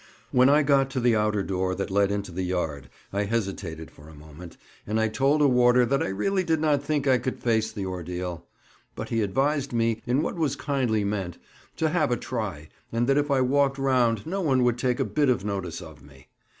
When I got to the outer door that led into the yard, I hesitated for a moment, and I told a warder that I really did not think I could face the ordeal; but he advised me, in what was kindly meant, to have a try, and that if I walked round no one would take a bit of notice of me.